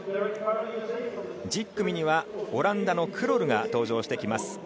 １０組にはオランダのクロルが登場します。